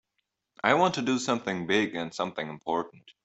I want to do something big and something important.